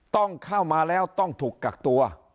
ต้องเข้ามาแล้วต้องถูกกักตัว